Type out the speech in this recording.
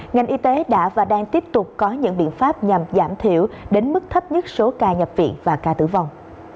ngành y tế đã và đang tiếp tục có những biện pháp nhằm giảm thiểu đến mức thấp nhất số ca nhập viện và ca tử vong